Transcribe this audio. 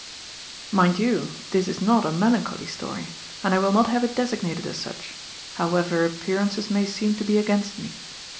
Mind you, this is not a melancholy story, and I will not 24 GOD'S FOOL. haye it designated as sach, howeyer appearances may seem to be against me.